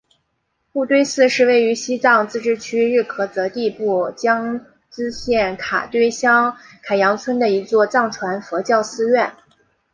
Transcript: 布堆寺是位于西藏自治区日喀则地区江孜县卡堆乡凯扬村的一座藏传佛教寺院。